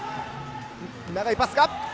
長いパスが。